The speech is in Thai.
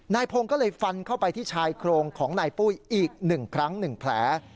นายพงศ์ก็เลยฟันเข้าไปที่ชายโครงของนายปุ้ยอีก๑ครั้ง๑แผล